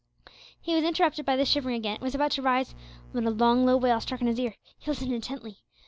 He was interrupted by the shivering again, and was about to rise, when a long low wail struck on his ear. He listened intently.